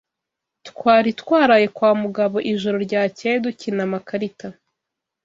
Twari twaraye kwa Mugabo ijoro ryakeye dukina amakarita.